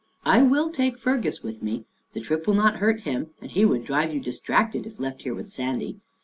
" I will take Fergus with me. The trip will not hurt him and he would drive you distracted if left here with Sandy.